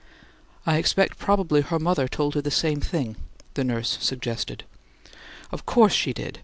"I expect probably her mother told her the same thing," the nurse suggested. "Of course she did.